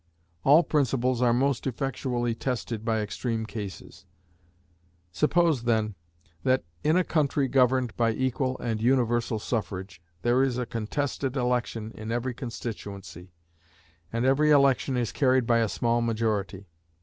All principles are most effectually tested by extreme cases. Suppose, then, that, in a country governed by equal and universal suffrage, there is a contested election in every constituency, and every election is carried by a small majority.